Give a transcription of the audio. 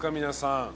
皆さん。